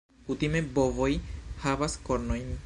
Kutime bovoj havas kornojn.